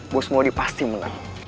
bos modi pasti menang